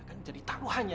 akan jadi takutnya